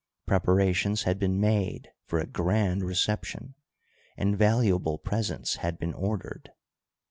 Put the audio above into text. Preparations had been made for a grand reception, and valuable presents had been ordered.